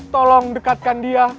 tolong dekatkan dia